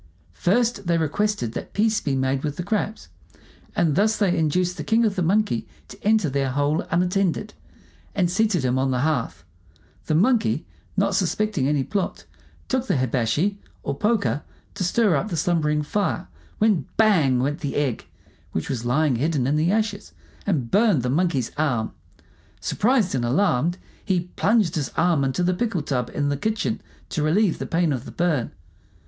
First, they requested that peace be made with the crabs; and thus they induced the king of the monkeys to enter their hole unattended, and seated him on the hearth. The Monkey, not suspecting any plot, took the hibashi, or poker, to stir up the slumbering fire, when bang! went the egg, which was lying hidden in the ashes, and burned the Monkey's arm. Surprised and alarmed, he plunged his arm into the pickle tub in the kitchen to relieve the pain of the burn.